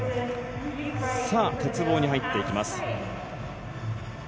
鉄棒に入っていきます。